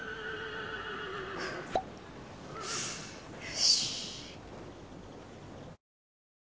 よし。